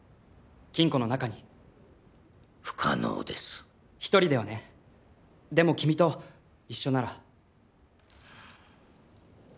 金庫の中に不可能です一人ではねでも君と一緒なら∈